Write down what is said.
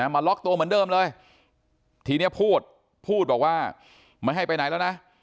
มาล็อกตัวเหมือนเดิมเลยทีนี้พูดพูดบอกว่าไม่ให้ไปไหนแล้วนะ